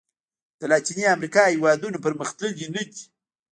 د لاتیني امریکا هېوادونو پرمختللي نه دي.